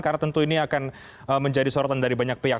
karena tentu ini akan menjadi sorotan dari banyak pihak